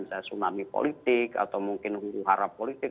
tsunami politik atau mungkin ungu harap politik